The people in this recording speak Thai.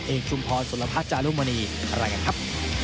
ชุมพรสุรพัฒน์จารุมณีอะไรกันครับ